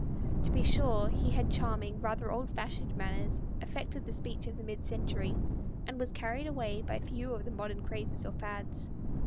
To be sure, he had charm ing, rather old fashioned manners, affected the speech of the mid century, and was carried away by none of the modern crazes or fads.